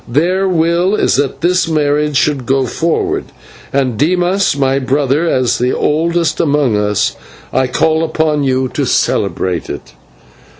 Their will it is that this marriage should go forward, and Dimas, my brother, as the oldest among us, I call upon you to celebrate it."